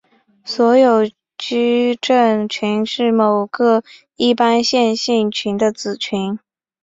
所有矩阵群是某个一般线性群的子群。